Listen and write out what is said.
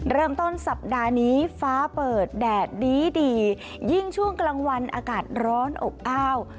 เริ่มต้นสัปดาห์นี้ฟ้าเปิดแดดดีดียิ่งช่วงกลางวันอากาศร้อนอบอ้าว